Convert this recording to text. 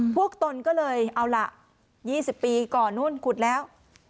พวกตนก็เลยเอาล่ะ๒๐ปีก่อนขุดแล้ว